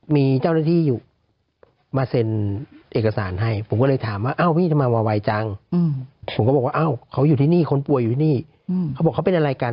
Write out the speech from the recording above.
มาเซ็นเอกสารให้ผมก็เลยถามว่าเอ้าพี่จะมาวาวายจังผมก็บอกว่าเอ้าเขาอยู่ที่นี่คนป่วยอยู่ที่นี่เขาบอกเขาเป็นอะไรกัน